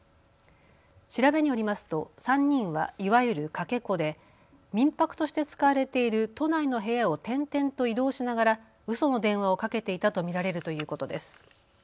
調べによりますと３人はいわゆるかけ子で民泊として使われている都内の部屋を転々と移動しながらうその電話をかけていたと見られるということです。